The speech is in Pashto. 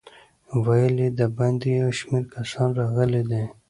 ویل یې د باندې یو شمېر کسان راغلي دي.